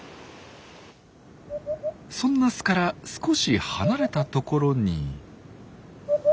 そんな巣から少し離れたところに。